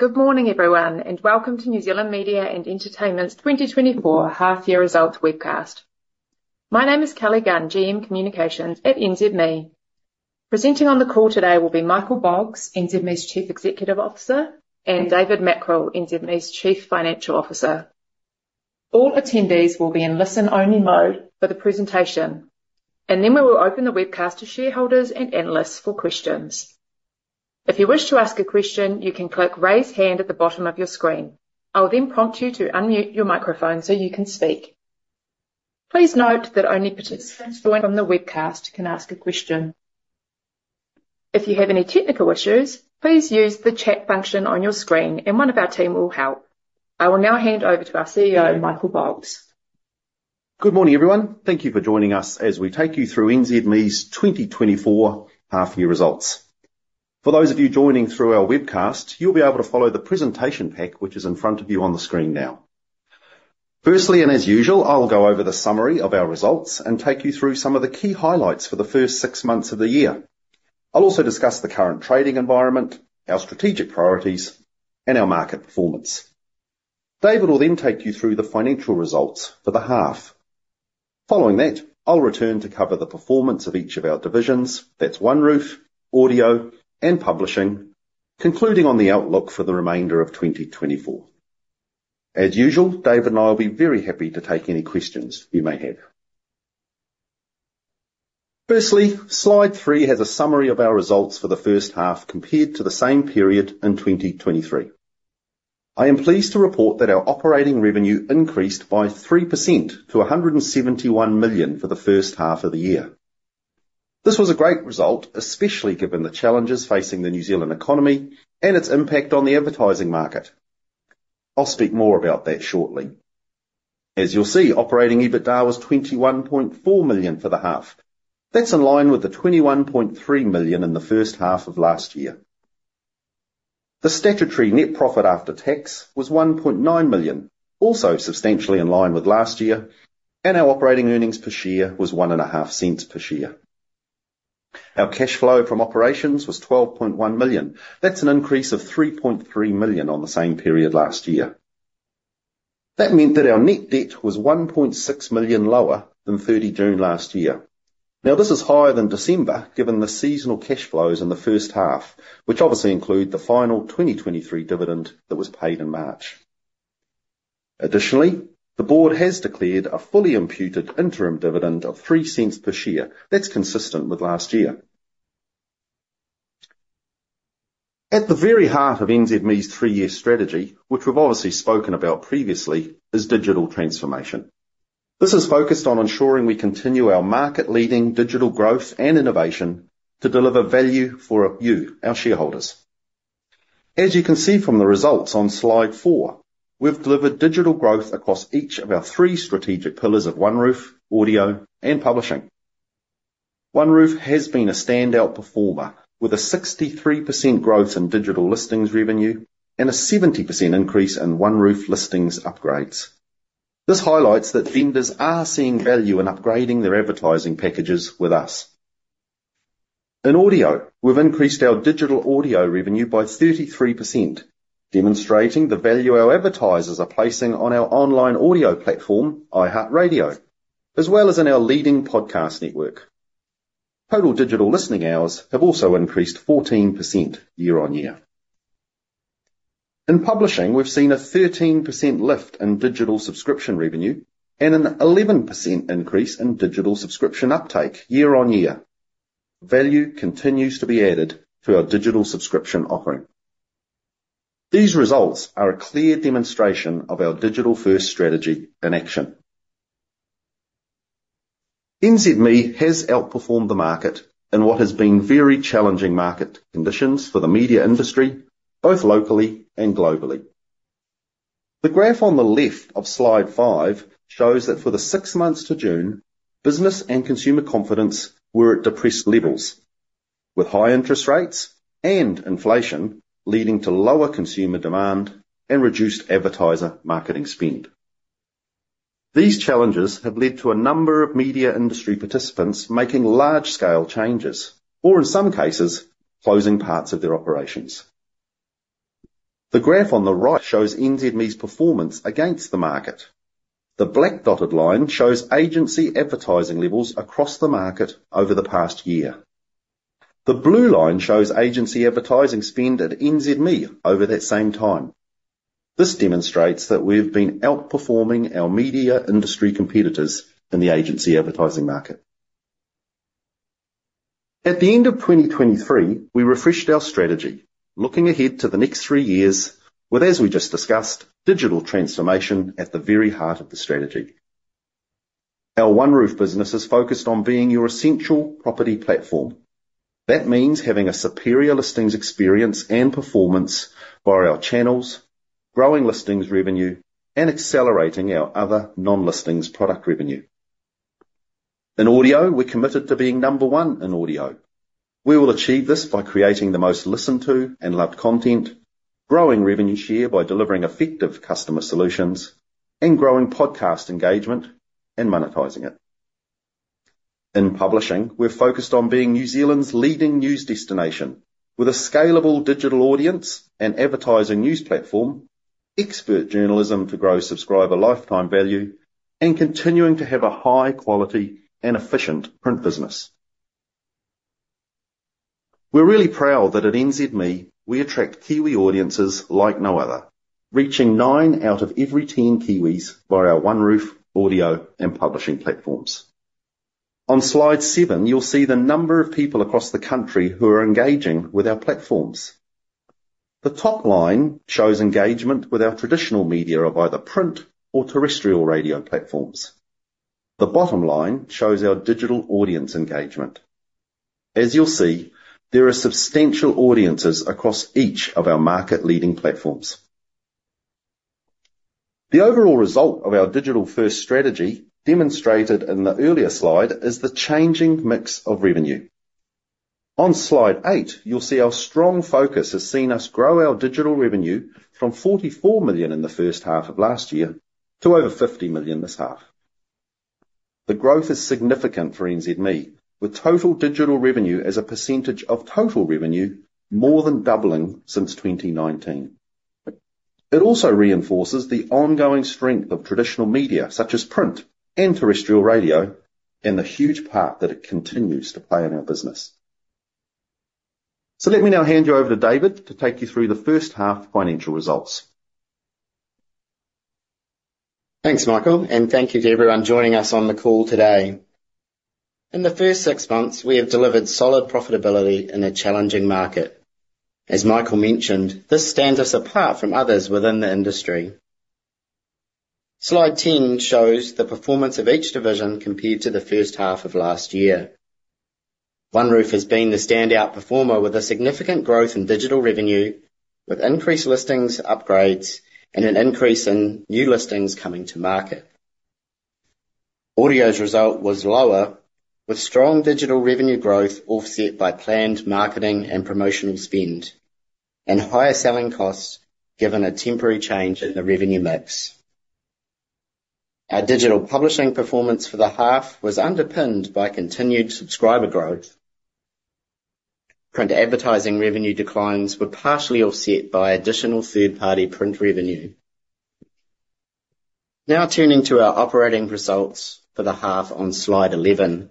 Good morning, everyone, and welcome to New Zealand Media and Entertainment's 2024 half year results webcast. My name is Kelly Gunn, GM Communications at NZME. Presenting on the call today will be Michael Boggs, NZME's Chief Executive Officer, and David Mackrell, NZME's Chief Financial Officer. All attendees will be in listen-only mode for the presentation, and then we will open the webcast to shareholders and analysts for questions. If you wish to ask a question, you can click Raise Hand at the bottom of your screen. I will then prompt you to unmute your microphone so you can speak. Please note that only participants joined from the webcast can ask a question. If you have any technical issues, please use the chat function on your screen and one of our team will help. I will now hand over to our CEO, Michael Boggs. Good morning, everyone. Thank you for joining us as we take you through NZME's 2024 half year results. For those of you joining through our webcast, you'll be able to follow the presentation pack, which is in front of you on the screen now. Firstly, and as usual, I will go over the summary of our results and take you through some of the key highlights for the first six months of the year. I'll also discuss the current trading environment, our strategic priorities, and our market performance. David will then take you through the financial results for the half. Following that, I'll return to cover the performance of each of our divisions. That's OneRoof, Audio, and Publishing, concluding on the outlook for the remainder of 2024. As usual, Dave and I will be very happy to take any questions you may have. Firstly, slide three has a summary of our results for the first half compared to the same period in 2023. I am pleased to report that our operating revenue increased by 3% to 171 million for the first half of the year. This was a great result, especially given the challenges facing the New Zealand economy and its impact on the advertising market. I'll speak more about that shortly. As you'll see, operating EBITDA was 21.4 million for the half. That's in line with the 21.3 million in the first half of last year. The statutory net profit after tax was 1.9 million, also substantially in line with last year, and our operating earnings per share was 0.015 per share. Our cash flow from operations was 12.1 million. That's an increase of 3.3 million on the same period last year. That meant that our net debt was 1.6 million lower than 30 June last year. Now, this is higher than December, given the seasonal cash flows in the first half, which obviously include the final 2023 dividend that was paid in March. Additionally, the board has declared a fully imputed interim dividend of 0.03 per share. That's consistent with last year. At the very heart of NZME's three-year strategy, which we've obviously spoken about previously, is digital transformation. This is focused on ensuring we continue our market-leading digital growth and innovation to deliver value for you, our shareholders. As you can see from the results on Slide 4, we've delivered digital growth across each of our three strategic pillars of OneRoof, Audio, and Publishing. OneRoof has been a standout performer, with a 63% growth in digital listings revenue and a 70% increase in OneRoof listings upgrades. This highlights that vendors are seeing value in upgrading their advertising packages with us. In Audio, we've increased our digital audio revenue by 33%, demonstrating the value our advertisers are placing on our online audio platform, iHeartRadio, as well as in our leading podcast network. Total digital listening hours have also increased 14% year on year. In Publishing, we've seen a 13% lift in digital subscription revenue and an 11% increase in digital subscription uptake year on year. Value continues to be added to our digital subscription offering. These results are a clear demonstration of our digital-first strategy in action. NZME has outperformed the market in what has been very challenging market conditions for the media industry, both locally and globally. The graph on the left of Slide 5 shows that for the six months to June, business and consumer confidence were at depressed levels, with high interest rates and inflation leading to lower consumer demand and reduced advertiser marketing spend. These challenges have led to a number of media industry participants making large-scale changes or in some cases, closing parts of their operations. The graph on the right shows NZME's performance against the market. The black dotted line shows agency advertising levels across the market over the past year. The blue line shows agency advertising spend at NZME over that same time. This demonstrates that we've been outperforming our media industry competitors in the agency advertising market. At the end of 2023, we refreshed our strategy, looking ahead to the next three years with, as we just discussed, digital transformation at the very heart of the strategy. Our OneRoof business is focused on being your essential property platform. That means having a superior listings experience and performance via our channels, growing listings revenue, and accelerating our other non-listings product revenue. In Audio, we're committed to being number one in audio. We will achieve this by creating the most listened to and loved content, growing revenue share by delivering effective customer solutions, and growing podcast engagement and monetizing it. In publishing, we're focused on being New Zealand's leading news destination, with a scalable digital audience and advertising news platform, expert journalism to grow subscriber lifetime value, and continuing to have a high quality and efficient print business. We're really proud that at NZME, we attract Kiwi audiences like no other, reaching nine out of every ten Kiwis via our OneRoof, Audio, and Publishing platforms. On slide seven, you'll see the number of people across the country who are engaging with our platforms. The top line shows engagement with our traditional media of either print or terrestrial radio platforms. The bottom line shows our digital audience engagement. As you'll see, there are substantial audiences across each of our market-leading platforms. The overall result of our digital-first strategy, demonstrated in the earlier slide, is the changing mix of revenue. On Slide eight, you'll see our strong focus has seen us grow our digital revenue from 44 million in the first half of last year to over 50 million this half. The growth is significant for NZME, with total digital revenue as a percentage of total revenue more than doubling since 2019. It also reinforces the ongoing strength of traditional media, such as print and terrestrial radio, and the huge part that it continues to play in our business, so let me now hand you over to David to take you through the first half financial results. Thanks, Michael, and thank you to everyone joining us on the call today. In the first six months, we have delivered solid profitability in a challenging market. As Michael mentioned, this stands us apart from others within the industry. Slide ten shows the performance of each division compared to the first half of last year. OneRoof has been the standout performer, with a significant growth in digital revenue, with increased listings, upgrades, and an increase in new listings coming to market. Audio's result was lower, with strong digital revenue growth offset by planned marketing and promotional spend and higher selling costs, given a temporary change in the revenue mix. Our digital publishing performance for the half was underpinned by continued subscriber growth. Print advertising revenue declines were partially offset by additional third-party print revenue. Now turning to our operating results for the half on slide 11.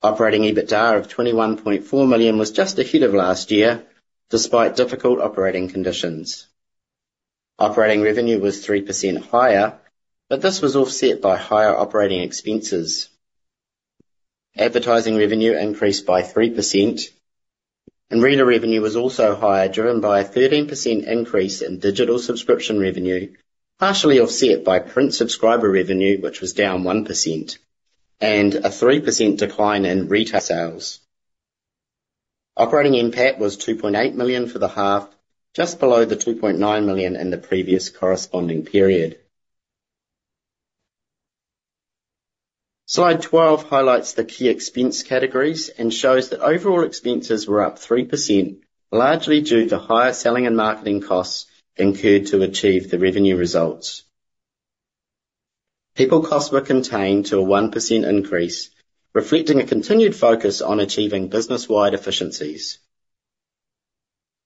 Operating EBITDA of 21.4 million was just ahead of last year, despite difficult operating conditions. Operating revenue was 3% higher, but this was offset by higher operating expenses. Advertising revenue increased by 3%, and reader revenue was also higher, driven by a 13% increase in digital subscription revenue, partially offset by print subscriber revenue, which was down 1%, and a 3% decline in retail sales. Operating NPAT was 2.8 million for the half, just below the 2.9 million in the previous corresponding period. Slide 12 highlights the key expense categories and shows that overall expenses were up 3%, largely due to higher selling and marketing costs incurred to achieve the revenue results. People costs were contained to a 1% increase, reflecting a continued focus on achieving business-wide efficiencies.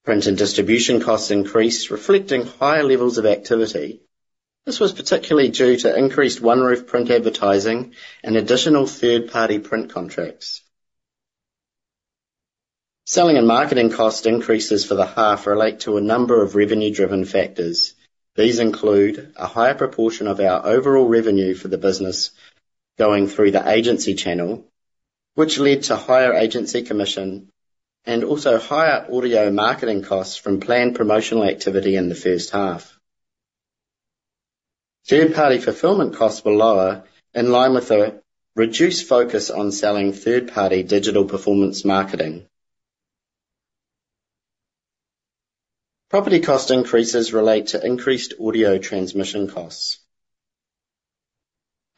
Print and distribution costs increased, reflecting higher levels of activity. This was particularly due to increased OneRoof print advertising and additional third-party print contracts. Selling and marketing cost increases for the half relate to a number of revenue-driven factors. These include a higher proportion of our overall revenue for the business going through the agency channel, which led to higher agency commission, and also higher audio marketing costs from planned promotional activity in the first half. Third-party fulfillment costs were lower, in line with a reduced focus on selling third-party digital performance marketing. Property cost increases relate to increased audio transmission costs.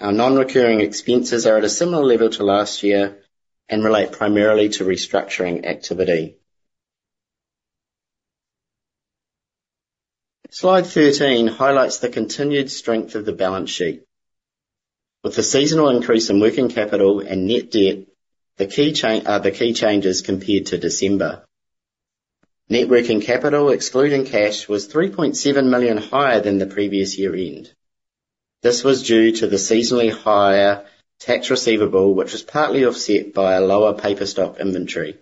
Our non-recurring expenses are at a similar level to last year and relate primarily to restructuring activity. Slide thirteen highlights the continued strength of the balance sheet. With the seasonal increase in working capital and net debt, the key change, the key changes compared to December. Net working capital, excluding cash, was 3.7 million higher than the previous year end. This was due to the seasonally higher tax receivable, which was partly offset by a lower paper stock inventory.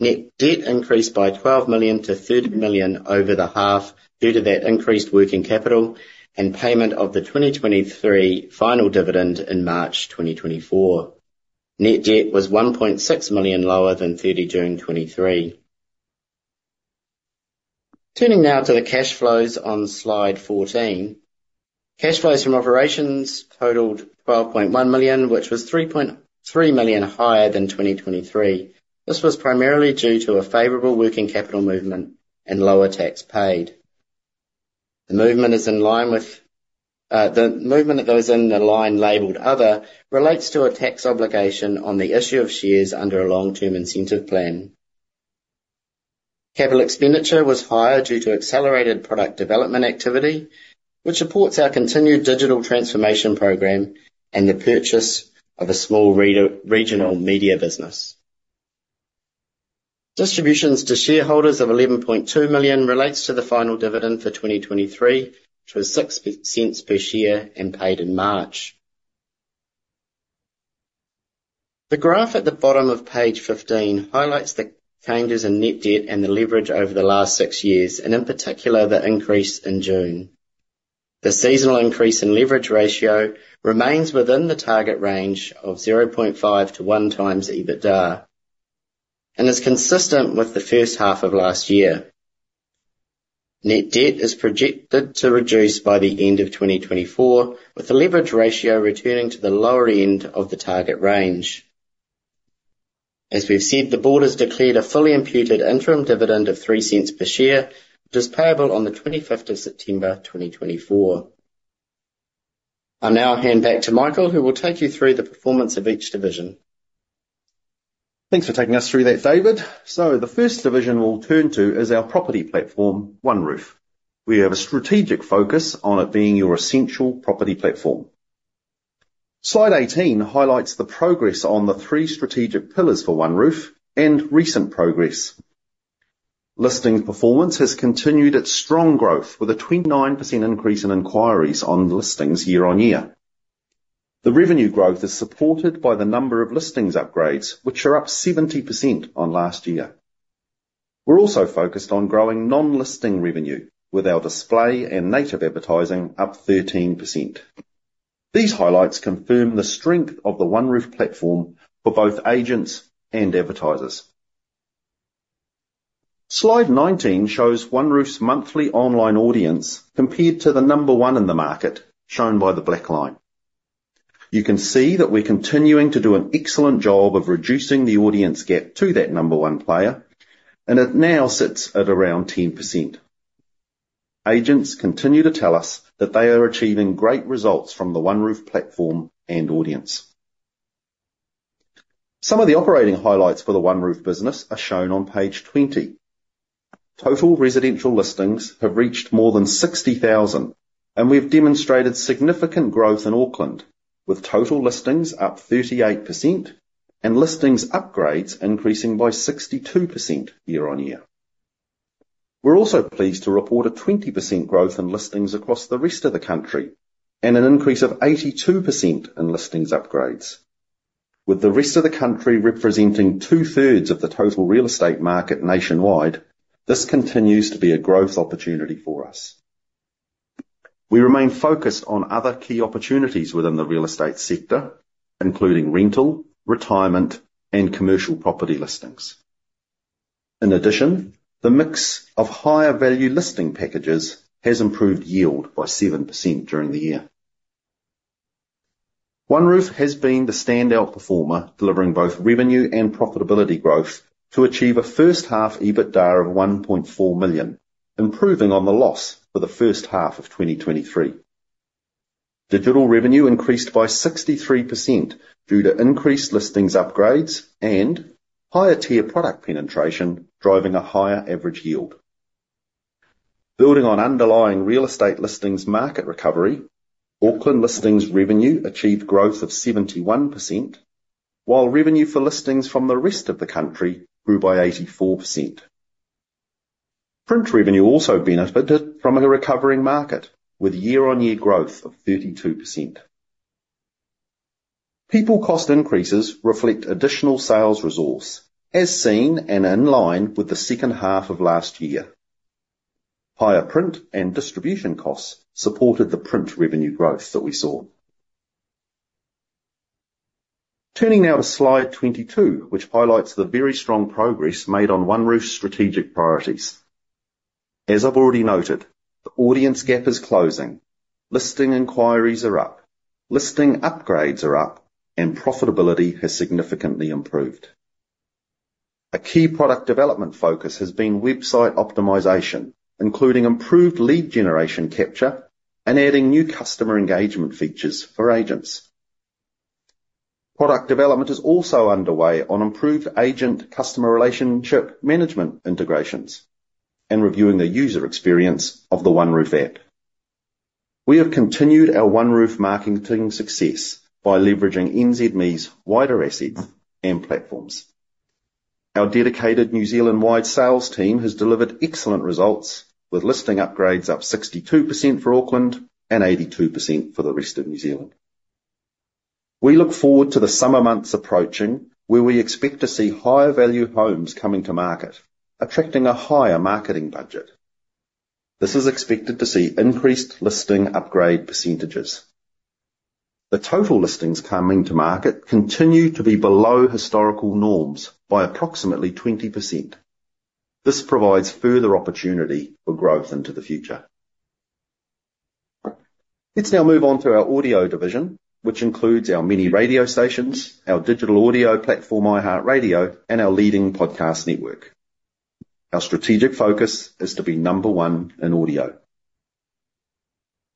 Net debt increased by 12 million to 30 million over the half due to that increased working capital and payment of the 2023 final dividend in March 2024. Net debt was 1.6 million lower than 30 June 2023. Turning now to the cash flows on Slide 14. Cash flows from operations totaled 12.1 million, which was 3.3 million higher than 2023. This was primarily due to a favorable working capital movement and lower tax paid. The movement is in line with, the movement that goes in the line labeled "Other" relates to a tax obligation on the issue of shares under a long-term incentive plan. Capital expenditure was higher due to accelerated product development activity, which supports our continued digital transformation program and the purchase of a small regional media business. Distributions to shareholders of 11.2 million relates to the final dividend for 2023, which was 0.06 per share and paid in March. The graph at the bottom of page 15 highlights the changes in net debt and the leverage over the last six years, and in particular, the increase in June. The seasonal increase in leverage ratio remains within the target range of 0.5-1x EBITDA, and is consistent with the first half of last year. Net debt is projected to reduce by the end of 2024, with the leverage ratio returning to the lower end of the target range. As we've said, the board has declared a fully imputed interim dividend of 0.03 per share, which is payable on the twenty-fifth of September, 2024. I'll now hand back to Michael, who will take you through the performance of each division. Thanks for taking us through that, David. So the first division we'll turn to is our property platform, OneRoof. We have a strategic focus on it being your essential property platform. Slide 18 highlights the progress on the three strategic pillars for OneRoof and recent progress. Listings performance has continued its strong growth, with a 29% increase in inquiries on listings year on year. The revenue growth is supported by the number of listings upgrades, which are up 70% on last year. We're also focused on growing non-listing revenue, with our display and native advertising up 13%. These highlights confirm the strength of the OneRoof platform for both agents and advertisers. Slide 19 shows OneRoof's monthly online audience compared to the number one in the market, shown by the black line. You can see that we're continuing to do an excellent job of reducing the audience gap to that number one player, and it now sits at around 10%. Agents continue to tell us that they are achieving great results from the OneRoof platform and audience. Some of the operating highlights for the OneRoof business are shown on page 20. Total residential listings have reached more than 60,000, and we've demonstrated significant growth in Auckland, with total listings up 38% and listings upgrades increasing by 62% year on year. We're also pleased to report a 20% growth in listings across the rest of the country and an increase of 82% in listings upgrades. With the rest of the country representing two-thirds of the total real estate market nationwide, this continues to be a growth opportunity for us. We remain focused on other key opportunities within the real estate sector, including rental, retirement and commercial property listings. In addition, the mix of higher value listing packages has improved yield by 7% during the year. OneRoof has been the standout performer, delivering both revenue and profitability growth to achieve a first half EBITDA of 1.4 million, improving on the loss for the first half of 2023. Digital revenue increased by 63% due to increased listings upgrades and higher tier product penetration, driving a higher average yield. Building on underlying real estate listings market recovery, Auckland listings revenue achieved growth of 71%, while revenue for listings from the rest of the country grew by 84%. Print revenue also benefited from a recovering market, with year-on-year growth of 32%. People cost increases reflect additional sales resource, as seen and in line with the second half of last year. Higher print and distribution costs supported the print revenue growth that we saw. Turning now to slide twenty-two, which highlights the very strong progress made on OneRoof's strategic priorities. As I've already noted, the audience gap is closing, listing inquiries are up, listing upgrades are up, and profitability has significantly improved. A key product development focus has been website optimization, including improved lead generation capture and adding new customer engagement features for agents. Product development is also underway on improved agent customer relationship management integrations and reviewing the user experience of the OneRoof app. We have continued our OneRoof marketing success by leveraging NZME's wider assets and platforms. Our dedicated New Zealand-wide sales team has delivered excellent results, with listing upgrades up 62% for Auckland and 82% for the rest of New Zealand. We look forward to the summer months approaching, where we expect to see higher value homes coming to market, attracting a higher marketing budget. This is expected to see increased listing upgrade percentages. The total listings coming to market continue to be below historical norms by approximately 20%. This provides further opportunity for growth into the future. Let's now move on to our audio division, which includes our many radio stations, our digital audio platform, iHeartRadio, and our leading podcast network. Our strategic focus is to be number one in audio.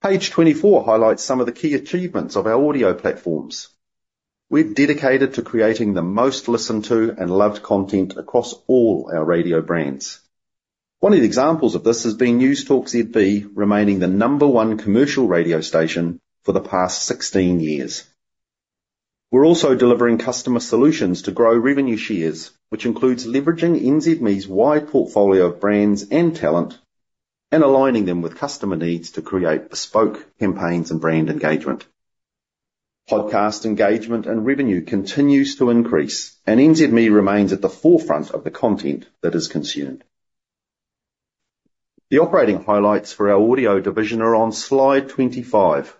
Page 24 highlights some of the key achievements of our audio platforms. We're dedicated to creating the most listened to and loved content across all our radio brands. One of the examples of this has been Newstalk ZB remaining the number one commercial radio station for the past 16 years. We're also delivering customer solutions to grow revenue shares, which includes leveraging NZME's wide portfolio of brands and talent, and aligning them with customer needs to create bespoke campaigns and brand engagement. Podcast engagement and revenue continues to increase, and NZME remains at the forefront of the content that is consumed. The operating highlights for our audio division are on slide 25.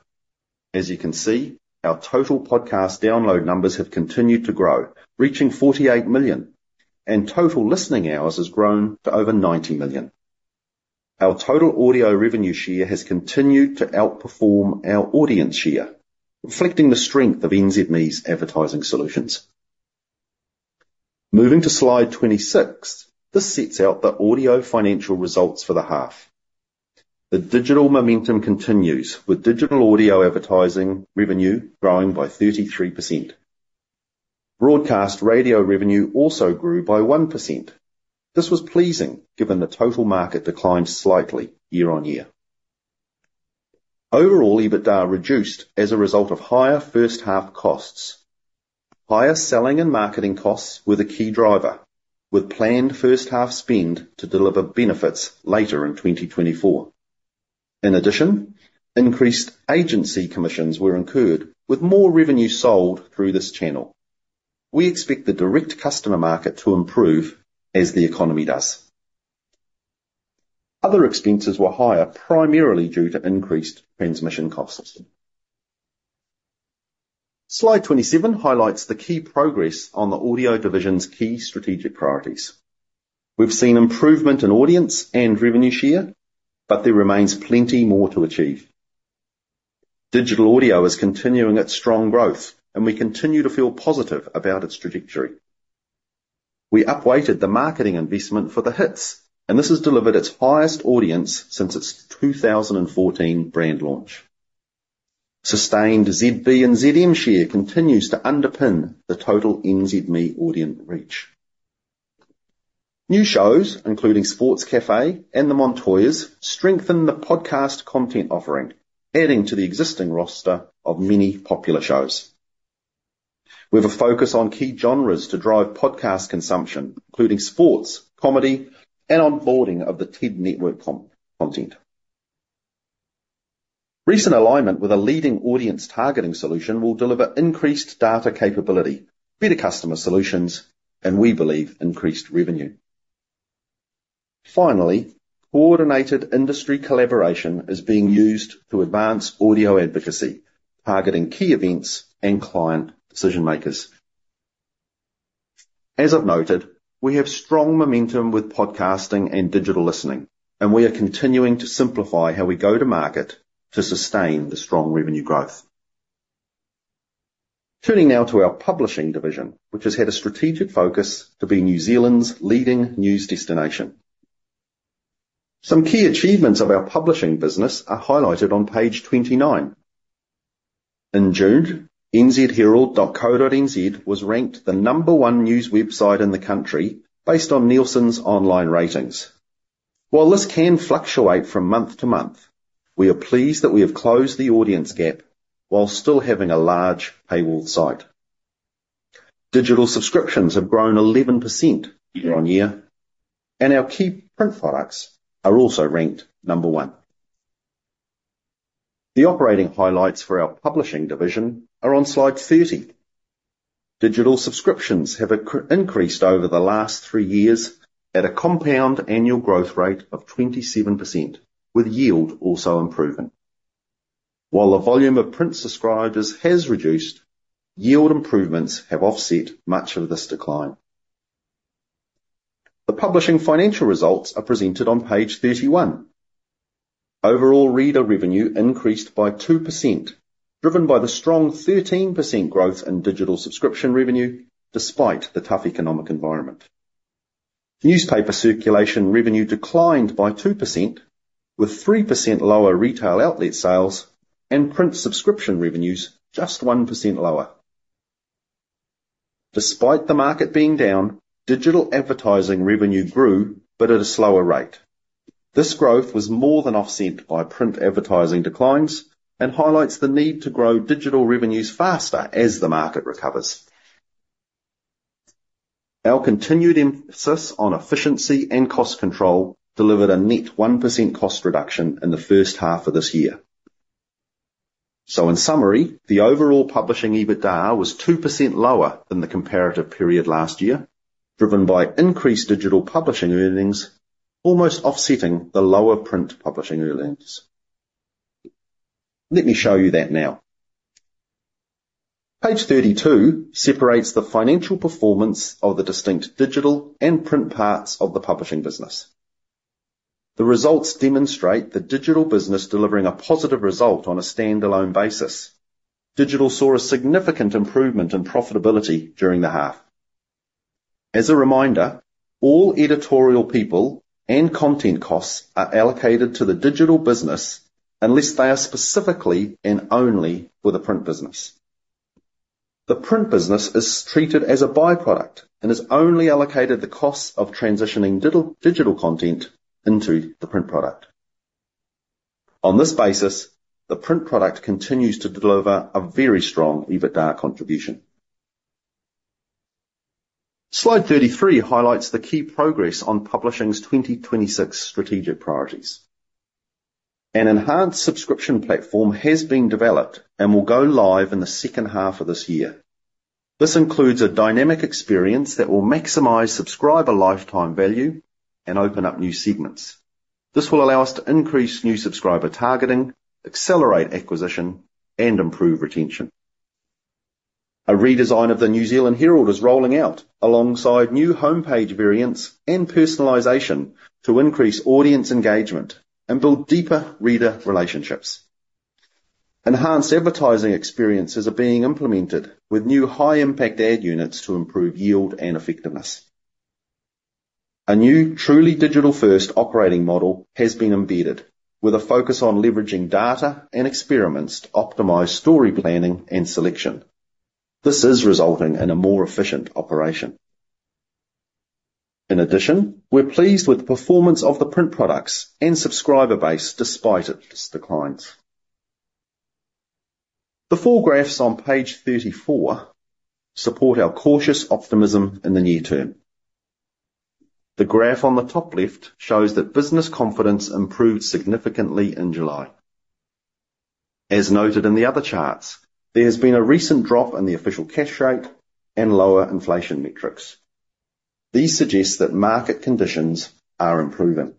As you can see, our total podcast download numbers have continued to grow, reaching 48 million, and total listening hours has grown to over 90 million. Our total audio revenue share has continued to outperform our audience share, reflecting the strength of NZME's advertising solutions. Moving to slide 26, this sets out the audio financial results for the half. The digital momentum continues, with digital audio advertising revenue growing by 33%. Broadcast radio revenue also grew by 1%. This was pleasing, given the total market declined slightly year-on-year. Overall, EBITDA reduced as a result of higher first half costs. Higher selling and marketing costs were the key driver, with planned first half spend to deliver benefits later in 2024. In addition, increased agency commissions were incurred with more revenue sold through this channel. We expect the direct customer market to improve as the economy does. Other expenses were higher, primarily due to increased transmission costs. Slide 27 highlights the key progress on the audio division's key strategic priorities. We've seen improvement in audience and revenue share, but there remains plenty more to achieve. Digital audio is continuing its strong growth, and we continue to feel positive about its trajectory. We upweighted the marketing investment for The Hits, and this has delivered its highest audience since its 2014 brand launch. Sustained ZB and ZM share continues to underpin the total NZME audience reach. New shows, including Sports Cafe and The Mantoyas, strengthen the podcast content offering, adding to the existing roster of many popular shows. We have a focus on key genres to drive podcast consumption, including sports, comedy, and onboarding of the TED network content. Recent alignment with a leading audience targeting solution will deliver increased data capability, better customer solutions, and we believe increased revenue. Finally, coordinated industry collaboration is being used to advance audio advocacy, targeting key events and client decision makers. As I've noted, we have strong momentum with podcasting and digital listening, and we are continuing to simplify how we go to market to sustain the strong revenue growth. Turning now to our publishing division, which has had a strategic focus to be New Zealand's leading news destination. Some key achievements of our publishing business are highlighted on page 29. In June, nzherald.co.nz was ranked the number one news website in the country based on Nielsen's online ratings. While this can fluctuate from month to month, we are pleased that we have closed the audience gap while still having a large paywall site. Digital subscriptions have grown 11% year-on-year, and our key print products are also ranked number one. The operating highlights for our publishing division are on slide 30. Digital subscriptions have increased over the last three years at a compound annual growth rate of 27%, with yield also improving. While the volume of print subscribers has reduced, yield improvements have offset much of this decline. The publishing financial results are presented on page 31. Overall, reader revenue increased by 2%, driven by the strong 13% growth in digital subscription revenue despite the tough economic environment. Newspaper circulation revenue declined by 2%, with 3% lower retail outlet sales and print subscription revenues just 1% lower. Despite the market being down, digital advertising revenue grew, but at a slower rate. This growth was more than offset by print advertising declines and highlights the need to grow digital revenues faster as the market recovers. Our continued emphasis on efficiency and cost control delivered a net 1% cost reduction in the first half of this year. So in summary, the overall publishing EBITDA was 2% lower than the comparative period last year, driven by increased digital publishing earnings, almost offsetting the lower print publishing earnings. Let me show you that now. Page 32 separates the financial performance of the distinct digital and print parts of the publishing business. The results demonstrate the digital business delivering a positive result on a standalone basis. Digital saw a significant improvement in profitability during the half. As a reminder, all editorial people and content costs are allocated to the digital business unless they are specifically and only for the print business. The print business is treated as a by-product and is only allocated the costs of transitioning digital content into the print product. On this basis, the print product continues to deliver a very strong EBITDA contribution. Slide 33 highlights the key progress on Publishing's 2026 strategic priorities. An enhanced subscription platform has been developed and will go live in the second half of this year. This includes a dynamic experience that will maximize subscriber lifetime value and open up new segments. This will allow us to increase new subscriber targeting, accelerate acquisition, and improve retention. A redesign of the New Zealand Herald is rolling out alongside new homepage variants and personalization to increase audience engagement and build deeper reader relationships. Enhanced advertising experiences are being implemented with new high-impact ad units to improve yield and effectiveness. A new truly digital-first operating model has been embedded, with a focus on leveraging data and experiments to optimize story planning and selection. This is resulting in a more efficient operation. In addition, we're pleased with the performance of the print products and subscriber base despite its declines. The four graphs on page 34 support our cautious optimism in the near term. The graph on the top left shows that business confidence improved significantly in July. As noted in the other charts, there has been a recent drop in the Official Cash Rate and lower inflation metrics. These suggest that market conditions are improving.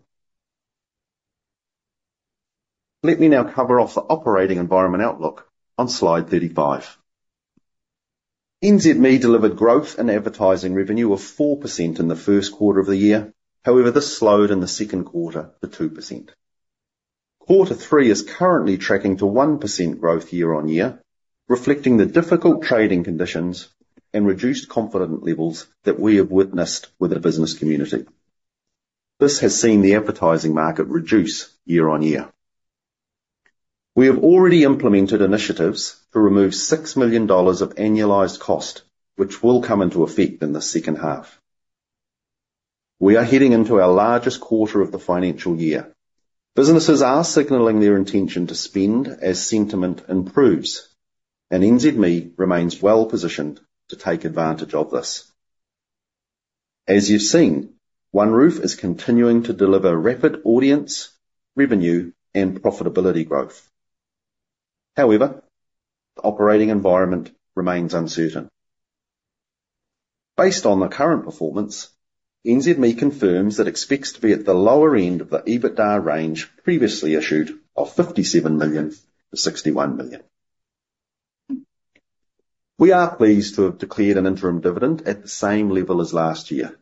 Let me now cover off the operating environment outlook on slide 35. NZME delivered growth in advertising revenue of 4% in the first quarter of the year, however, this slowed in the second quarter to 2%. Quarter three is currently tracking to 1% growth year-on-year, reflecting the difficult trading conditions and reduced confidence levels that we have witnessed with the business community. This has seen the advertising market reduce year-on-year. We have already implemented initiatives to remove 6 million dollars of annualized cost, which will come into effect in the second half. We are heading into our largest quarter of the financial year. Businesses are signaling their intention to spend as sentiment improves, and NZME remains well positioned to take advantage of this. As you've seen, OneRoof is continuing to deliver rapid audience, revenue, and profitability growth. However, the operating environment remains uncertain. Based on the current performance, NZME confirms it expects to be at the lower end of the EBITDA range previously issued of 57 million-61 million. We are pleased to have declared an interim dividend at the same level as last year.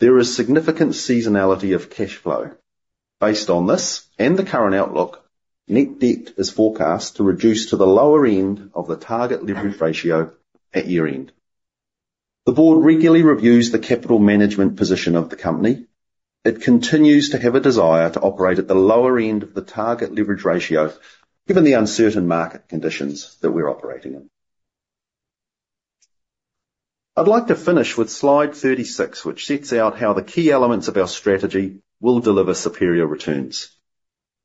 There is significant seasonality of cash flow. Based on this and the current outlook, net debt is forecast to reduce to the lower end of the target leverage ratio at year-end. The board regularly reviews the capital management position of the company. It continues to have a desire to operate at the lower end of the target leverage ratio, given the uncertain market conditions that we're operating in. I'd like to finish with Slide 36, which sets out how the key elements of our strategy will deliver superior returns.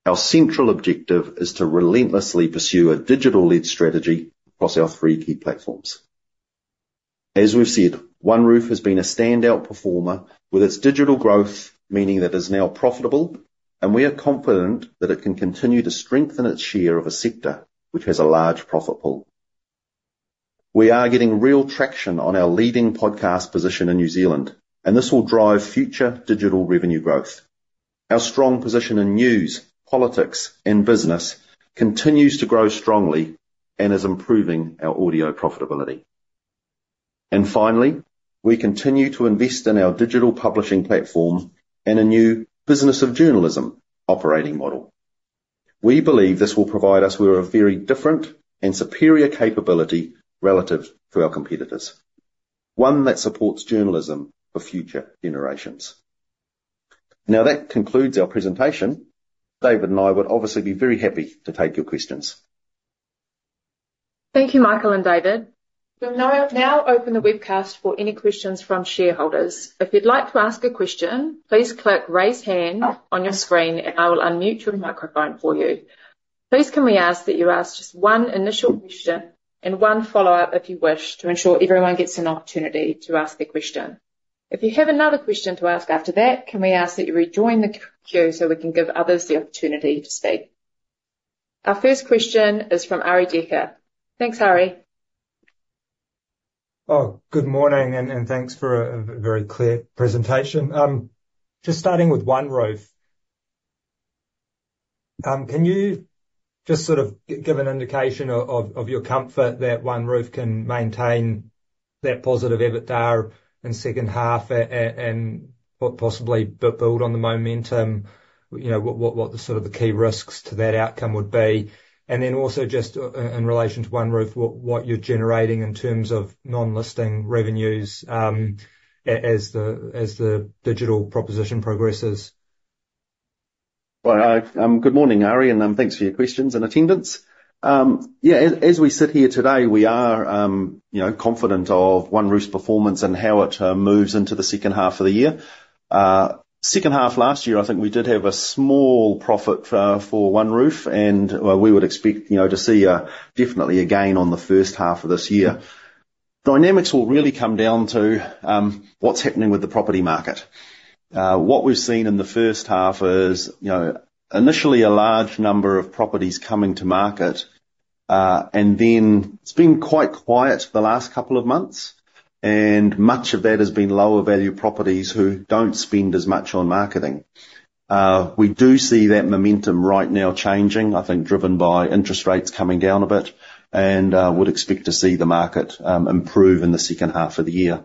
Our central objective is to relentlessly pursue a digital-led strategy across our three key platforms. As we've said, OneRoof has been a standout performer, with its digital growth meaning that it is now profitable, and we are confident that it can continue to strengthen its share of a sector which has a large profit pool. We are getting real traction on our leading podcast position in New Zealand, and this will drive future digital revenue growth. Our strong position in news, politics, and business continues to grow strongly and is improving our audio profitability. Finally, we continue to invest in our digital publishing platform and a new business of journalism operating model. We believe this will provide us with a very different and superior capability relative to our competitors, one that supports journalism for future generations. Now, that concludes our presentation. David and I would obviously be very happy to take your questions. Thank you, Michael and David. We'll now open the webcast for any questions from shareholders. If you'd like to ask a question, please click Raise Hand on your screen, and I will unmute your microphone for you. Please, can we ask that you ask just one initial question and one follow-up, if you wish, to ensure everyone gets an opportunity to ask their question. If you have another question to ask after that, can we ask that you rejoin the queue so we can give others the opportunity to speak? Our first question is from Arie Dekker. Thanks, Arie. Oh, good morning, and thanks for a very clear presentation. Just starting with OneRoof, can you just sort of give an indication of your comfort that OneRoof can maintain that positive EBITDA in second half and possibly build on the momentum, you know, what sort of key risks to that outcome would be? And then also just in relation to OneRoof, what you're generating in terms of non-listing revenues as the digital proposition progresses. Well, good morning, Arie, and thanks for your questions and attendance. Yeah, as we sit here today, we are, you know, confident of OneRoof's performance and how it moves into the second half of the year. Second half last year, I think we did have a small profit for OneRoof, and we would expect, you know, to see a definitely a gain on the first half of this year. Dynamics will really come down to what's happening with the property market. What we've seen in the first half is, you know, initially a large number of properties coming to market, and then it's been quite quiet for the last couple of months, and much of that has been lower-value properties who don't spend as much on marketing. We do see that momentum right now changing, I think driven by interest rates coming down a bit, and would expect to see the market improve in the second half of the year.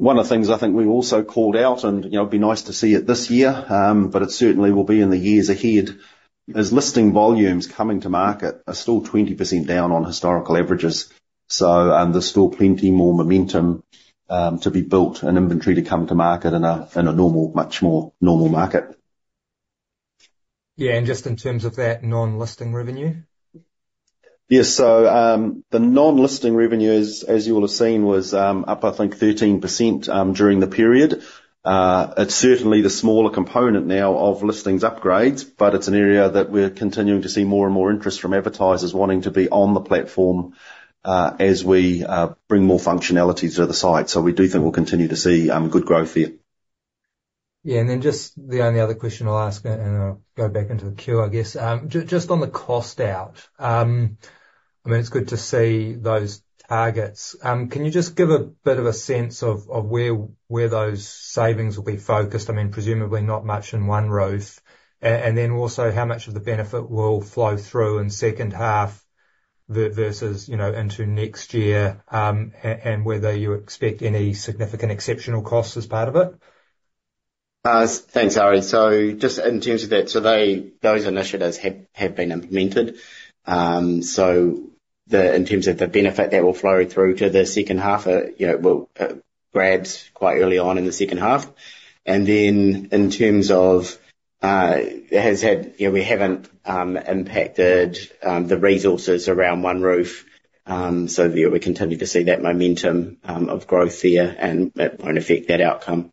One of the things I think we've also called out, and, you know, it'd be nice to see it this year, but it certainly will be in the years ahead, as listing volumes coming to market are still 20% down on historical averages. So, there's still plenty more momentum to be built and inventory to come to market in a normal, much more normal market. Yeah, and just in terms of that non-listing revenue? Yes, so, the non-listing revenue, as you will have seen, was up, I think 13%, during the period. It's certainly the smaller component now of listings upgrades, but it's an area that we're continuing to see more and more interest from advertisers wanting to be on the platform, as we bring more functionality to the site. So we do think we'll continue to see good growth there. Yeah, and then just the only other question I'll ask, and I'll go back into the queue, I guess. Just on the cost out, I mean, it's good to see those targets. Can you just give a bit of a sense of where those savings will be focused? I mean, presumably not much in OneRoof. And then also, how much of the benefit will flow through in second half versus, you know, into next year, and whether you expect any significant exceptional costs as part of it? Thanks, Arie. So just in terms of that, so they, those initiatives have been implemented. So, in terms of the benefit, that will flow through to the second half, you know, well, GrabOne's quite early on in the second half. And then in terms of it, it has had. You know, we haven't impacted the resources around OneRoof, so we continue to see that momentum of growth there, and it won't affect that outcome.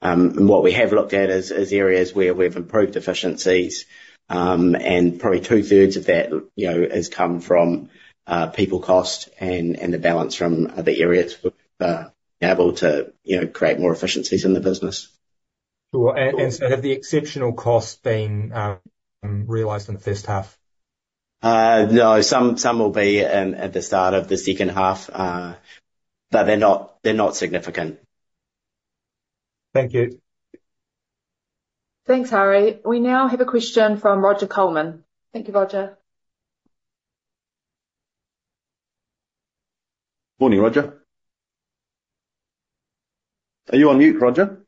And what we have looked at is areas where we've improved efficiencies, and probably two-thirds of that, you know, has come from people cost and the balance from other areas we're able to, you know, create more efficiencies in the business. Sure. And so have the exceptional costs been realized in the first half? No, some will be at the start of the second half, but they're not significant. Thank you. Thanks, Arie. We now have a question from Roger Colman. Thank you, Roger. Morning, Roger. Are you on mute, Roger?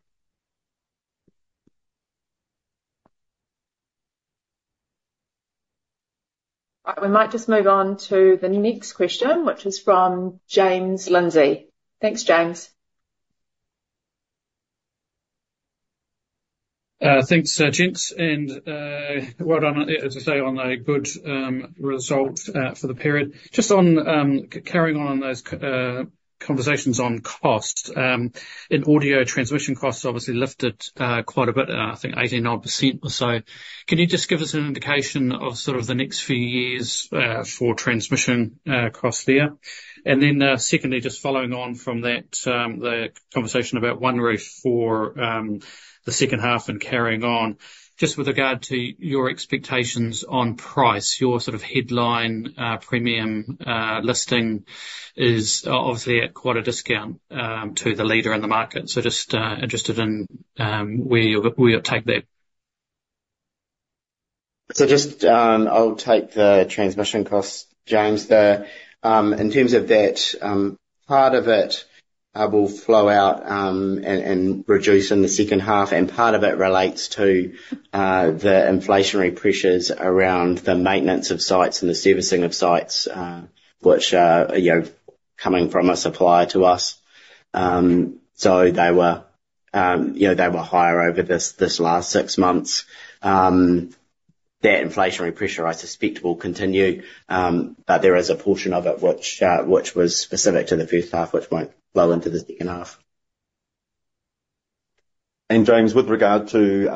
All right. We might just move on to the next question, which is from James Lindsay. Thanks, James. Thanks, gents, and well done, as I say, on a good result for the period. Just on carrying on those conversations on costs in Audio, transmission costs obviously lifted quite a bit, I think 89% or so. Can you just give us an indication of sort of the next few years for transmission costs there? And then, secondly, just following on from that, the conversation about OneRoof for the second half and carrying on, just with regard to your expectations on price. Your sort of headline premium listing is obviously at quite a discount to the leader in the market, so just interested in where you'll take that. So just, I'll take the transmission costs, James. In terms of that, part of it will flow out and reduce in the second half, and part of it relates to the inflationary pressures around the maintenance of sites and the servicing of sites, which are, you know, coming from a supplier to us. So they were, you know, higher over this last six months. That inflationary pressure, I suspect, will continue, but there is a portion of it which was specific to the first half, which won't flow into the second half. And James, with regard to your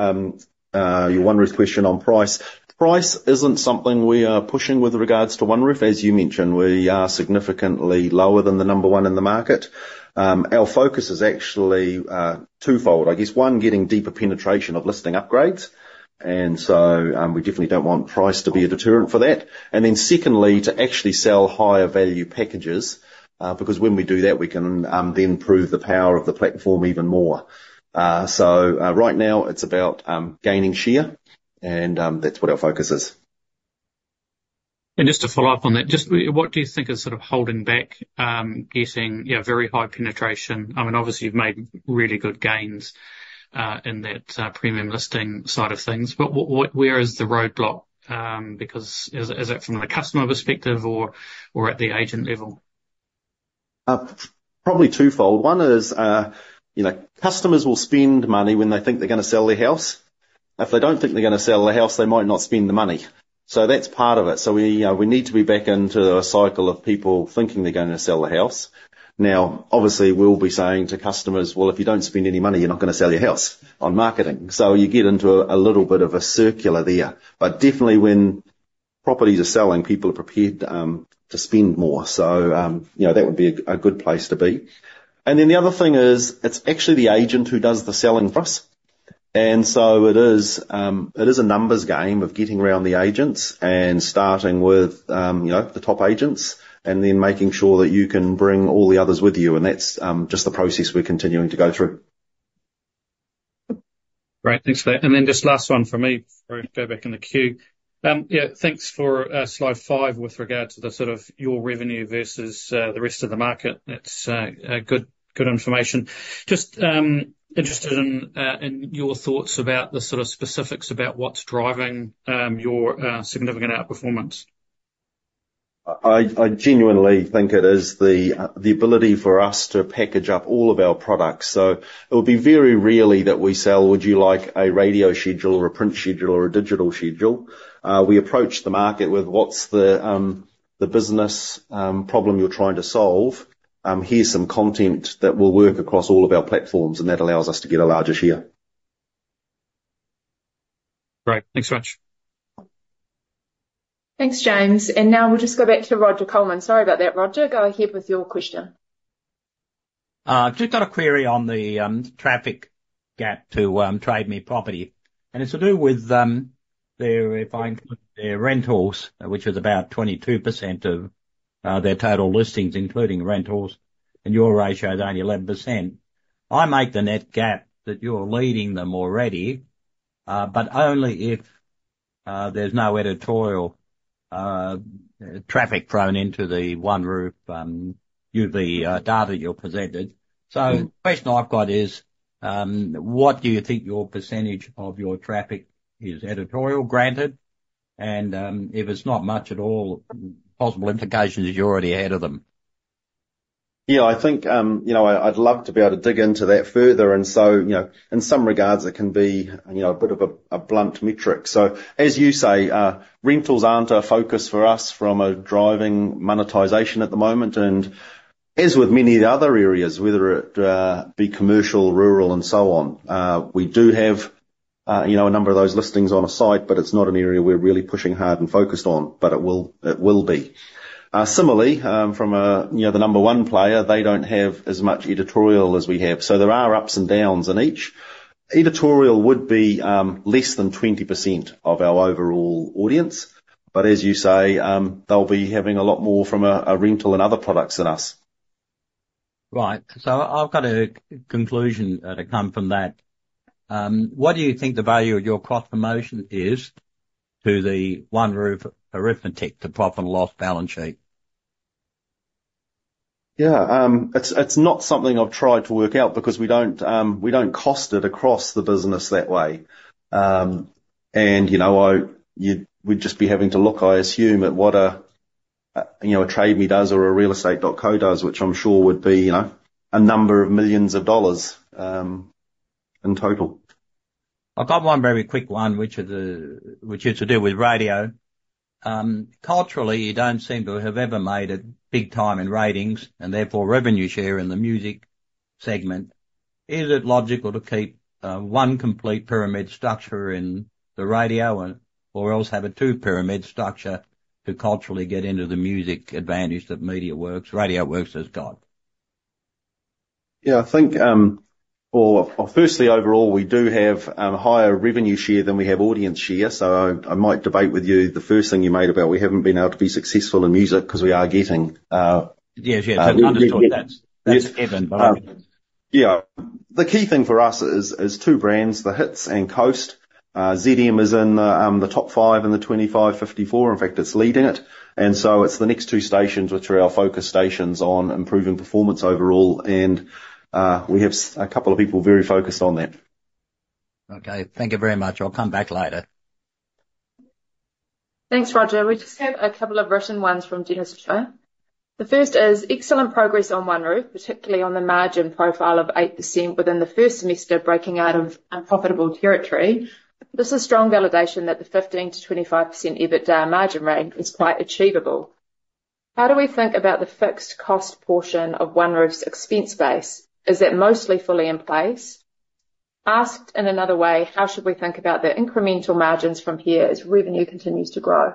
OneRoof question on price. Price isn't something we are pushing with regards to OneRoof. As you mentioned, we are significantly lower than the number one in the market. Our focus is actually twofold. I guess one, getting deeper penetration of listing upgrades, and so we definitely don't want price to be a deterrent for that. And then secondly, to actually sell higher-value packages because when we do that, we can then prove the power of the platform even more. So right now it's about gaining share, and that's what our focus is. And just to follow up on that, just what do you think is sort of holding back getting, yeah, very high penetration? I mean, obviously, you've made really good gains in that premium listing side of things, but where is the roadblock? Because is it from the customer perspective or at the agent level? Probably twofold. One is, you know, customers will spend money when they think they're gonna sell their house. If they don't think they're gonna sell their house, they might not spend the money. So that's part of it, so we need to be back into a cycle of people thinking they're going to sell a house. Now, obviously, we'll be saying to customers, "Well, if you don't spend any money, you're not gonna sell your house on marketing," so you get into a little bit of a circular there, but definitely when properties are selling, people are prepared to spend more, so you know, that would be a good place to be, and then the other thing is, it's actually the agent who does the selling for us. And so it is a numbers game of getting around the agents and starting with, you know, the top agents, and then making sure that you can bring all the others with you. And that's just the process we're continuing to go through. Great. Thanks for that. And then just last one from me before we go back in the queue. Yeah, thanks for slide five with regard to the sort of your revenue versus the rest of the market. That's good information. Just interested in your thoughts about the sort of specifics about what's driving your significant outperformance. I genuinely think it is the ability for us to package up all of our products. So it'll be very rarely that we sell, "Would you like a radio schedule or a print schedule or a digital schedule?" We approach the market with, "What's the business problem you're trying to solve? Here's some content that will work across all of our platforms," and that allows us to get a larger share. Great. Thanks very much. Thanks, James. And now we'll just go back to Roger Colman. Sorry about that, Roger. Go ahead with your question. Just got a query on the traffic gap to Trade Me property, and it's to do with their. If I include their rentals, which is about 22% of their total listings, including rentals, and your ratio is only 11%. I make the net gap that you're leading them already, but only if there's no editorial traffic thrown into the OneRoof UV data you've presented. Mm-hmm. So the question I've got is, what do you think your percentage of your traffic is editorial, granted? And, if it's not much at all, possible implications is you're already ahead of them. Yeah, I think, you know, I'd love to be able to dig into that further, and so, you know, in some regards, it can be, you know, a bit of a blunt metric. So as you say, rentals aren't a focus for us from a driving monetization at the moment, and as with many other areas, whether it be commercial, rural, and so on, we do have, you know, a number of those listings on our site, but it's not an area we're really pushing hard and focused on, but it will be. Similarly, from a, you know, the number one player, they don't have as much editorial as we have. So there are ups and downs in each. Editorial would be less than 20% of our overall audience, but as you say, they'll be having a lot more from a rental and other products than us. Right. So I've got a conclusion to come from that. What do you think the value of your cross promotion is to the OneRoof arithmetic, the profit and loss balance sheet? Yeah, it's not something I've tried to work out because we don't cost it across the business that way, and you know, we'd just be having to look, I assume, at what a Trade Me does or a Realestate.co.nz does, which I'm sure would be, you know, a number of millions of dollars in total. I've got one very quick one, which is to do with radio. Culturally, you don't seem to have ever made it big time in ratings and therefore revenue share in the music segment. Is it logical to keep one complete pyramid structure in the radio and, or else have a two-pyramid structure to culturally get into the music advantage that MediaWorks, RadioWorks has got? Yeah, I think, well, firstly, overall, we do have higher revenue share than we have audience share, so I might debate with you the first thing you made about we haven't been able to be successful in music, 'cause we are getting. Yeah, yeah. I understood that. Yes. That's given, but. Yeah. The key thing for us is two brands, The Hits and Coast. ZM is in the top five in the twenty-five, fifty-four. In fact, it's leading it, and so it's the next two stations, which are our focus stations on improving performance overall, and we have a couple of people very focused on that. Okay. Thank you very much. I'll come back later. Thanks, Roger. We just have a couple of written ones from Dennis Shaw. The first is excellent progress on OneRoof, particularly on the margin profile of 8% within the first semester, breaking out of unprofitable territory. This is strong validation that the 15%-25% EBITDA margin range is quite achievable. How do we think about the fixed cost portion of OneRoof's expense base? Is it mostly fully in place? Asked in another way, how should we think about the incremental margins from here as revenue continues to grow?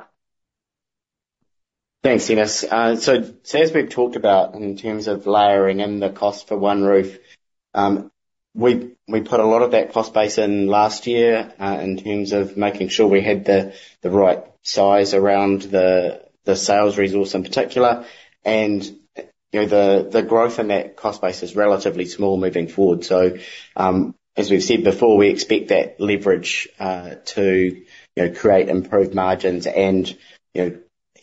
Thanks, Dennis. So as we've talked about in terms of layering in the cost for OneRoof, we put a lot of that cost base in last year, in terms of making sure we had the right size around the sales resource in particular. And you know, the growth in that cost base is relatively small moving forward. So as we've said before, we expect that leverage to, you know, create improved margins and, you know-.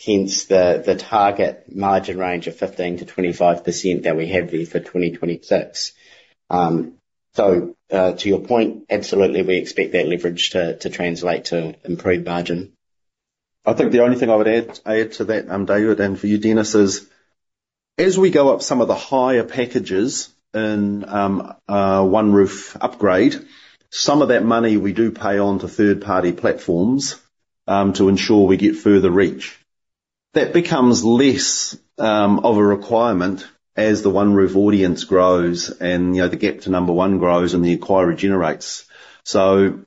hence the target margin range of 15%-25% that we have there for 2026. So, to your point, absolutely, we expect that leverage to translate to improved margin. I think the only thing I would add to that, David, and for you, Dennis, is as we go up some of the higher packages in OneRoof upgrade, some of that money we do pay on to third-party platforms to ensure we get further reach. That becomes less of a requirement as the OneRoof audience grows and, you know, the gap to number one grows and the inquiry generates. So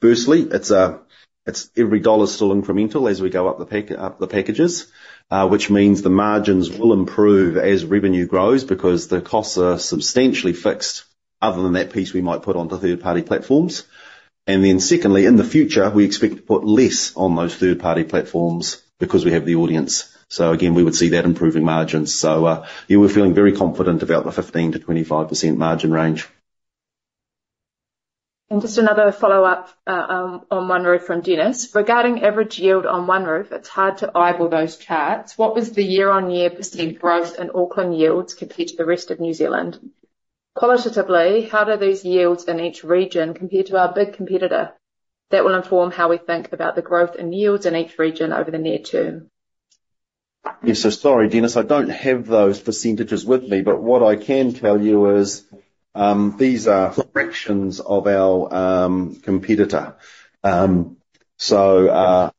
firstly, it's every dollar's still incremental as we go up the packages, which means the margins will improve as revenue grows, because the costs are substantially fixed, other than that piece we might put onto third-party platforms, and then secondly, in the future, we expect to put less on those third-party platforms because we have the audience, so again, we would see that improving margins. Yeah, we're feeling very confident about the 15%-25% margin range. Just another follow-up on OneRoof from Dennis. Regarding average yield on OneRoof, it's hard to eyeball those charts. What was the year-on-year percent growth in Auckland yields compared to the rest of New Zealand? Qualitatively, how do these yields in each region compare to our big competitor? That will inform how we think about the growth in yields in each region over the near term. Yes. So sorry, Dennis, I don't have those percentages with me, but what I can tell you is, these are fractions of our competitor. So,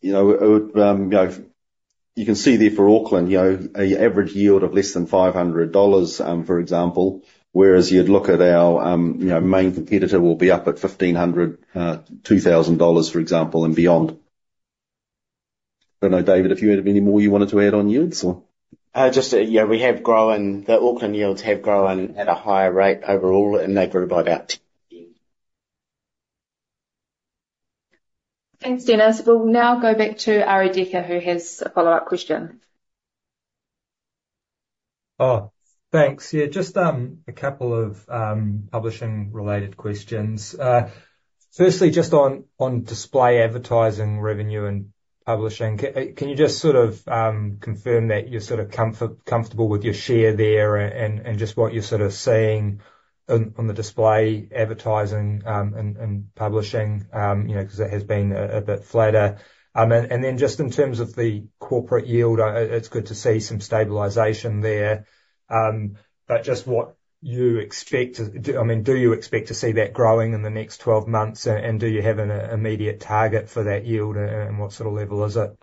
you know, it would, you know, you can see there for Auckland, you know, an average yield of less than 500 dollars, for example, whereas you'd look at our, you know, main competitor will be up at 1,500-2,000 dollars, for example, and beyond. I don't know, David, if you had any more you wanted to add on yields, or? Yeah, we have grown. The Auckland yields have grown at a higher rate overall, and they grew by about 10. Thanks, Dennis. We'll now go back to Arie Dekker, who has a follow-up question. Oh, thanks. Yeah, just a couple of publishing-related questions. Firstly, just on display advertising revenue and publishing. Can you just sort of confirm that you're sort of comfortable with your share there, and just what you're sort of seeing on the display advertising and publishing? You know, 'cause it has been a bit flatter. And then just in terms of the corporate yield, it's good to see some stabilization there. But just what you expect to. I mean, do you expect to see that growing in the next twelve months, and do you have an immediate target for that yield, and what sort of level is it?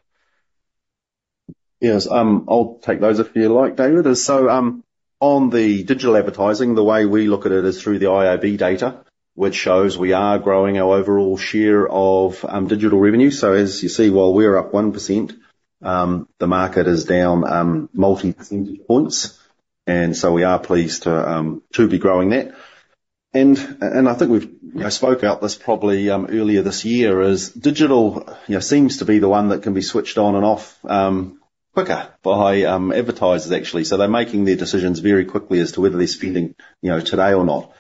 Yes, I'll take those, if you like, David. So, on the digital advertising, the way we look at it is through the IAB data, which shows we are growing our overall share of digital revenue. So as you see, while we're up 1%, the market is down multi percentage points, and so we are pleased to be growing that. And I think we've, you know, spoke about this probably, earlier this year, is digital, you know, seems to be the one that can be switched on and off quicker by advertisers, actually. So they're making their decisions very quickly as to whether they're spending, you know, today or not.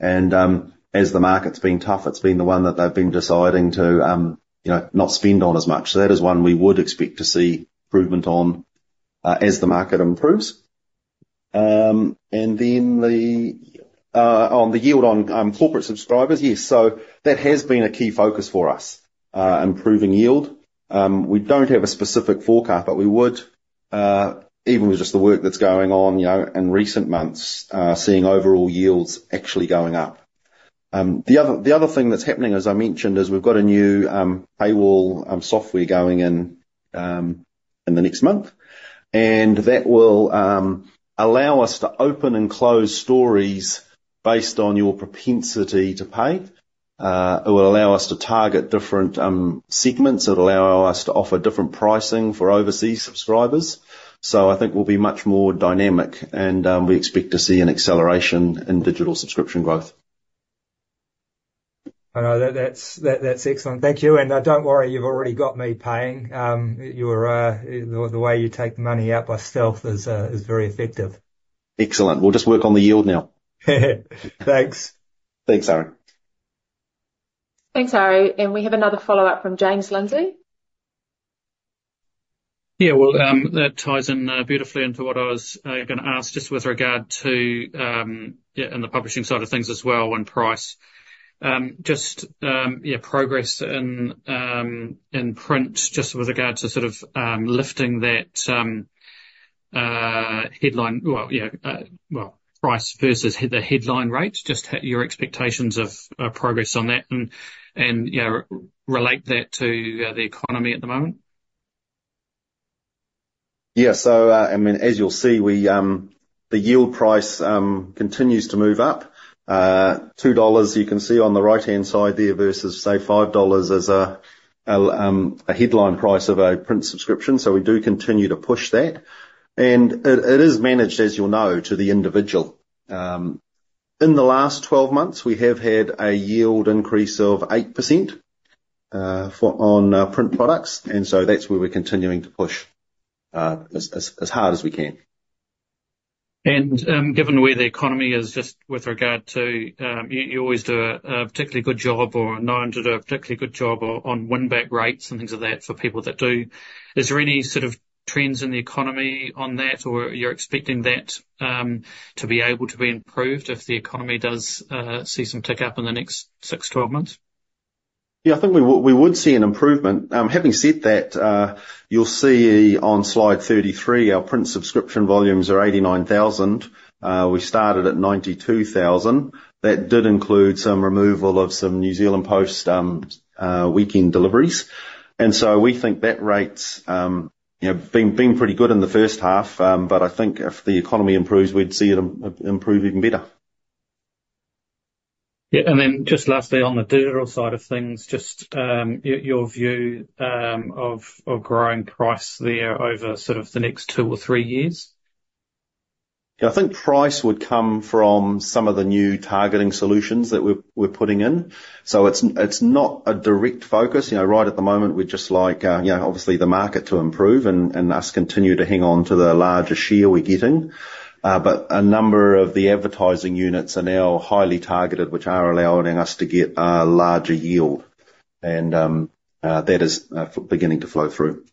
And, as the market's been tough, it's been the one that they've been deciding to, you know, not spend on as much. So that is one we would expect to see improvement on, as the market improves. And then on the yield on corporate subscribers, yes, so that has been a key focus for us, improving yield. We don't have a specific forecast, but we would, even with just the work that's going on, you know, in recent months, seeing overall yields actually going up. The other thing that's happening, as I mentioned, is we've got a new paywall software going in in the next month, and that will allow us to open and close stories based on your propensity to pay. It will allow us to target different segments. It'll allow us to offer different pricing for overseas subscribers. So I think we'll be much more dynamic, and we expect to see an acceleration in digital subscription growth. I know, that's excellent. Thank you, and don't worry, you've already got me paying. You're the way you take money out by stealth is very effective. Excellent. We'll just work on the yield now. Thanks. Thanks, Arie. Thanks, Arie. We have another follow-up from James Lindsay. Yeah, well, that ties in beautifully into what I was going to ask, just with regard to yeah, in the publishing side of things as well, and price. Just yeah, progress in print, just with regard to sort of lifting that headline, well, yeah, well, price versus the headline rates, your expectations of progress on that, and, and, you know, relate that to the economy at the moment? Yeah. So, I mean, as you'll see, we, the yield price continues to move up. 2 dollars, you can see on the right-hand side there, versus, say, 5 dollars is a headline price of a print subscription, so we do continue to push that. And it is managed, as you'll know, to the individual. In the last twelve months, we have had a yield increase of 8% for our print products, and so that's where we're continuing to push as hard as we can. . And, given where the economy is, just with regard to, you always do a particularly good job, or known to do a particularly good job on win back rates and things like that for people that do. Is there any sort of trends in the economy on that, or you're expecting that to be able to be improved if the economy does see some tick up in the next six, 12 months? Yeah, I think we would see an improvement. Having said that, you'll see on slide 33, our print subscription volumes are 89,000. We started at 92,000. That did include some removal of some New Zealand Post weekend deliveries. And so we think that rate's, you know, been pretty good in the first half, but I think if the economy improves, we'd see it improve even better. Yeah, and then just lastly, on the digital side of things, just, your view, of growing price there over sort of the next two or three years? Yeah, I think price would come from some of the new targeting solutions that we're putting in, so it's not a direct focus. You know, right at the moment, we'd just like, you know, obviously the market to improve and us continue to hang on to the larger share we're getting, but a number of the advertising units are now highly targeted, which are allowing us to get a larger yield, and that is beginning to flow through.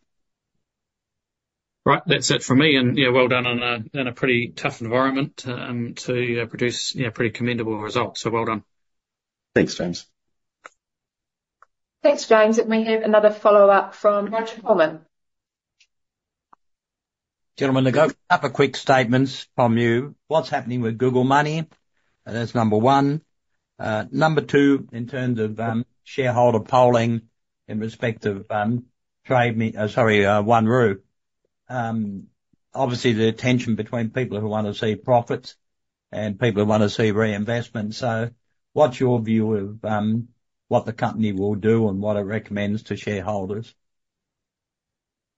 Right. That's it for me, and, you know, well done on a pretty tough environment to produce, you know, pretty commendable results. So well done. Thanks, James. Thanks, James. And we have another follow-up from Roger Colman. Gentlemen, a couple of quick statements from you. What's happening with Google money? And that's number one. Number two, in terms of, shareholder polling in respect of, Trade Me, OneRoof, obviously the tension between people who want to see profits, and people who want to see reinvestment. So what's your view of, what the company will do and what it recommends to shareholders?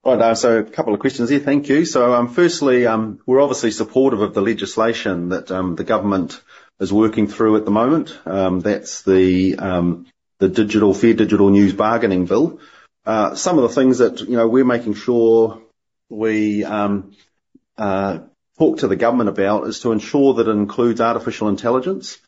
Right, so a couple of questions there. Thank you. So, firstly, we're obviously supportive of the legislation that the government is working through at the moment. That's the Fair Digital News Bargaining Bill. Some of the things that, you know, we're making sure we talk to the government about is to ensure that it includes artificial intelligence.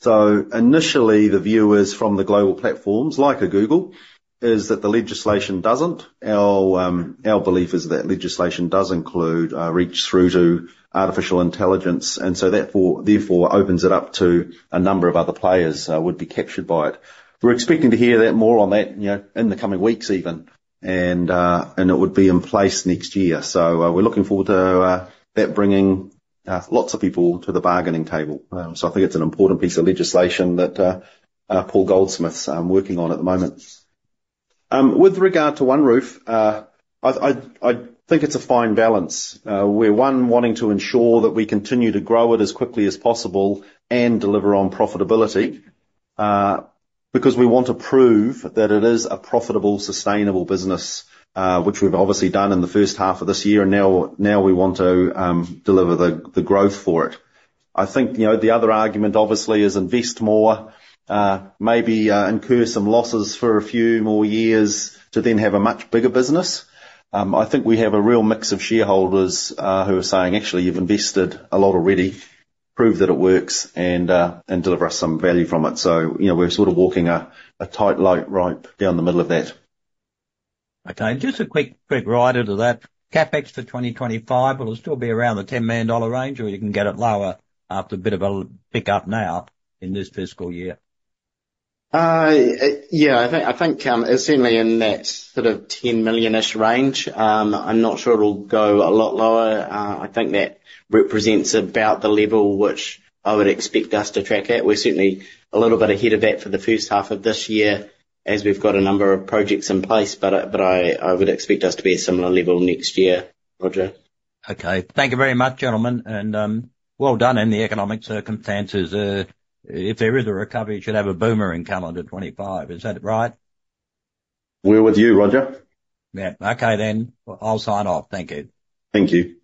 So initially, the view is from the global platforms, like a Google, is that the legislation doesn't. Our belief is that legislation does include reach through to artificial intelligence, and so therefore opens it up to a number of other players would be captured by it. We're expecting to hear that, more on that, you know, in the coming weeks even. And it would be in place next year. We're looking forward to that bringing lots of people to the bargaining table. I think it's an important piece of legislation that Paul Goldsmith's working on at the moment. With regard to OneRoof, I think it's a fine balance. We're wanting to ensure that we continue to grow it as quickly as possible and deliver on profitability, because we want to prove that it is a profitable, sustainable business, which we've obviously done in the first half of this year, and now we want to deliver the growth for it. I think, you know, the other argument obviously is invest more, maybe, incur some losses for a few more years to then have a much bigger business. I think we have a real mix of shareholders who are saying, "Actually, you've invested a lot already. Prove that it works and deliver us some value from it." So, you know, we're sort of walking a tightrope down the middle of that. Okay. And just a quick, quick rider to that. CapEx for 2025, will it still be around the 10 million dollar range, or you can get it lower after a bit of a pick up now in this fiscal year? Yeah, I think certainly in that sort of 10 million-ish range. I'm not sure it'll go a lot lower. I think that represents about the level which I would expect us to track at. We're certainly a little bit ahead of that for the first half of this year, as we've got a number of projects in place, but I would expect us to be at a similar level next year, Roger. Okay. Thank you very much, gentlemen, and well done in the economic circumstances. If there is a recovery, it should have a boom in calendar 2025. Is that right? We're with you, Roger. Yeah. Okay, then, I'll sign off. Thank you. Thank you.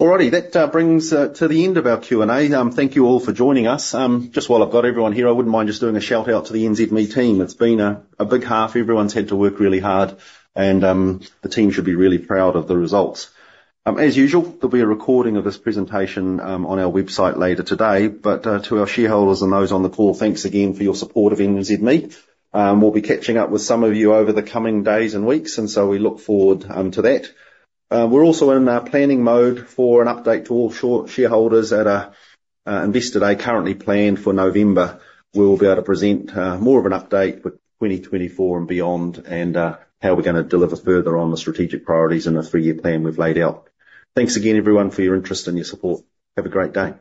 All righty. That brings to the end of our Q&A. Thank you all for joining us. Just while I've got everyone here, I wouldn't mind just doing a shout-out to the NZME team. It's been a big half. Everyone's had to work really hard, and the team should be really proud of the results. As usual, there'll be a recording of this presentation on our website later today. But to our shareholders and those on the call, thanks again for your support of NZME. We'll be catching up with some of you over the coming days and weeks, and so we look forward to that. We're also in our planning mode for an update to all shareholders at our Investor Day, currently planned for November. We'll be able to present more of an update with 2024 and beyond, and how we're gonna deliver further on the strategic priorities and the three-year plan we've laid out. Thanks again, everyone, for your interest and your support. Have a great day.